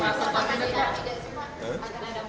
pak ada yang berlaku